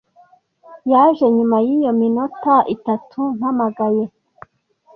Yaje nyuma yiminota itatu mpamagaye.